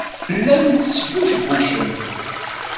Tellam tesbucbucem.